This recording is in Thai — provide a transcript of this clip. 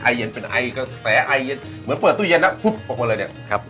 ไอเย็นเป็นไอก็แสไอเย็นเหมือนเปิดตู้เย็นอ่ะฟุ๊บออกมาเลยเนี่ย